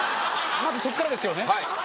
まずそっからですよね